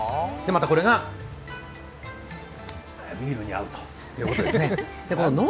また、これがビールに合うということですね。